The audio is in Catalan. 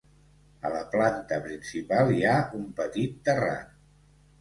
A la planta principal hi ha un petit terrat.